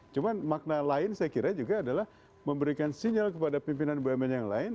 cuma makna lain saya kira juga adalah memberikan sinyal kepada pimpinan bumn yang lain